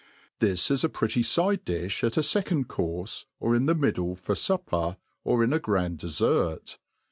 This is a pretty fide difb at a fecond courfe, or in the mid dle for fupper, or in a grand defert.